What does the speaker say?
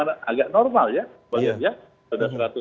kita tidak harus gampang siap siap mereka untuk ini